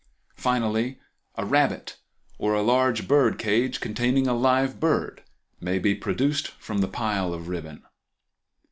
Finally a rabbit or a large bird cage containing a live bird may be produced from the pile of ribbon.